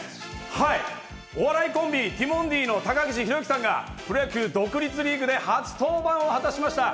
昨日、お笑いコンビ、ティモンディの高岸宏行さんが、プロ野球独立リーグで初登板をしました。